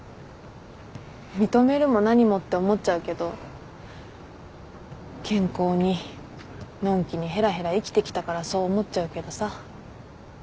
認めるも何もって思っちゃうけど健康にのんきにヘラヘラ生きてきたからそう思っちゃうけどさ。